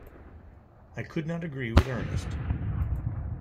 I could not agree with Ernest.